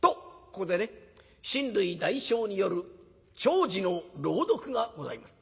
ここでね親類代表による弔辞の朗読がございます。